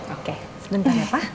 oke sebentar ya pak